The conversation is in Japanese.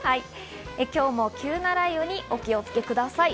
今日も急な雷雨にお気をつけください。